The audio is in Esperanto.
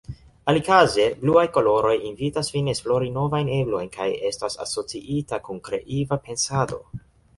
Alikaze, bluaj koloroj invitas vin esplori novajn eblojn kaj estas asociita kun kreiva pensado.